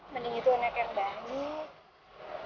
mending itu anak yang baik